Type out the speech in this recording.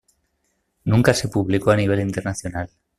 Nunca se publicó a nivel internacional.